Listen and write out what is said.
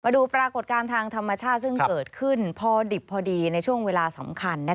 ดูปรากฏการณ์ทางธรรมชาติซึ่งเกิดขึ้นพอดิบพอดีในช่วงเวลาสำคัญ